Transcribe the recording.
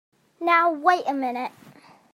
Now wait a minute!